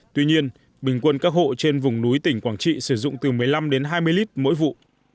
tuy nhiên bình quân các hộ trên vùng núi tỉnh quảng trị sử dụng từ một mươi năm đến hai mươi lít mỗi vụ